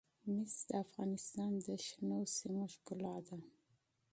مس د افغانستان د شنو سیمو ښکلا ده.